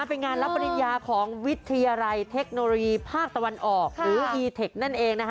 เป็นงานรับปริญญาของวิทยาลัยเทคโนโลยีหรืออีเท็กต์